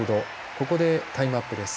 ここでタイムアップです。